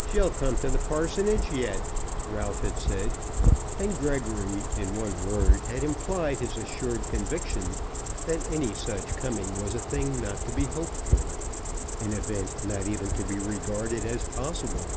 "She'll come to the parsonage yet," Ralph had said; and Gregory in one word had implied his assured conviction that any such coming was a thing not to be hoped for, an event not even to be regarded as possible.